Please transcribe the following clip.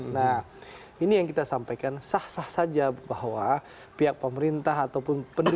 nah ini yang kita sampaikan sah sah saja bahwa pihak pemerintah ataupun penduduk